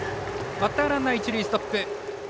バッターランナー、一塁ストップ。